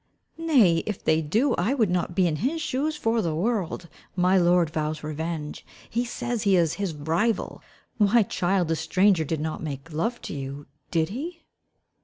"Nay, if they do, I would not be in his shoes for the world. My lord vows revenge. He says he is his rival. Why, child, the stranger did not make love to you, did he?"